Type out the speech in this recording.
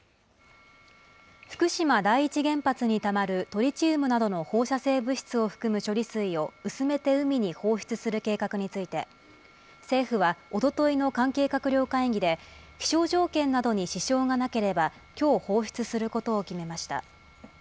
福島第一原発にたまるトリチウムなどの放射性物質を含む処理水を薄めて海に放出する計画について、政府はおとといの関係閣僚会議で、気象条件などに支障がなければ、きょう放出することを決めました。